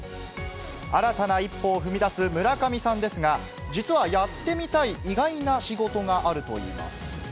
新たな一歩を踏み出す村上さんですが、実はやってみたい、意外な仕事があるといいます。